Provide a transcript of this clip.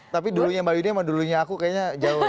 tapi dulunya mbak yudi sama dulunya aku kayaknya jauh